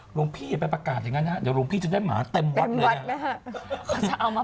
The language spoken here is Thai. หลวงพี่อย่าไปประกาศอย่างนั้นนะเดี๋ยวหลวงพี่จะได้หมาเต็มวัดเลย